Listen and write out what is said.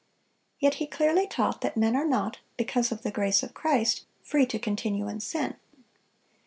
Yet he clearly taught that men are not, because of the grace of Christ, free to continue in sin.